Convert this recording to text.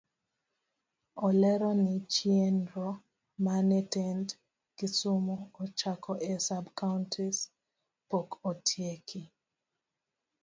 Olero ni chienro mane tend kisumu ochako e sub-counties pok otieki.